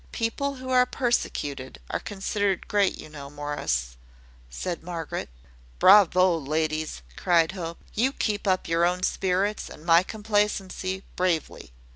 "People who are persecuted are considered great, you know, Morris," said Margaret. "Bravo, ladies!" cried Hope. "You keep up your own spirits, and my complacency, bravely.